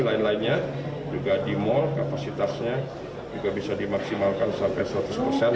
lain lainnya juga di mal kapasitasnya juga bisa dimaksimalkan sampai seratus persen